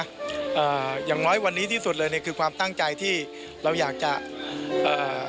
อ่าอย่างน้อยวันนี้ที่สุดเลยเนี้ยคือความตั้งใจที่เราอยากจะเอ่อ